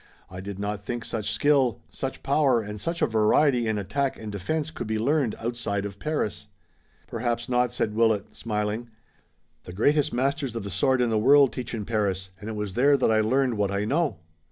"I did not think such skill, such power and such a variety in attack and defense could be learned outside of Paris." "Perhaps not!" said Willet, smiling. "The greatest masters of the sword in the world teach in Paris, and it was there that I learned what I know."